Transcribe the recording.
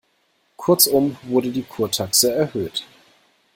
Kurzum wurde die Kurtaxe erhöht.